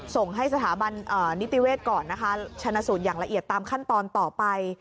ส่งให้สถาบันนิติเวศก่อนนะคะชนะสูตรอย่างละเอียดตามขั้นตอนต่อไป